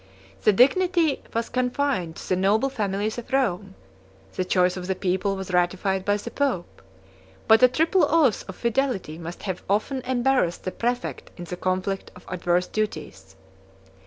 40 The dignity was confined to the noble families of Rome: the choice of the people was ratified by the pope; but a triple oath of fidelity must have often embarrassed the præfect in the conflict of adverse duties.